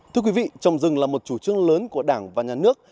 thưa quý vị trồng rừng là một chủ trương lớn của đảng và nhà nước